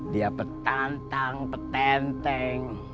dia petantang petenteng